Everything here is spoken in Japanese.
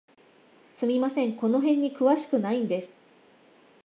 すみません、この辺に詳しくないんです。